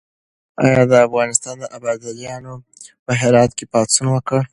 آیا د افغانستان ابدالیانو په هرات کې پاڅون وکړ؟